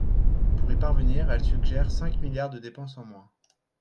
Pour y parvenir, elle suggère cinq milliards de dépenses en moins.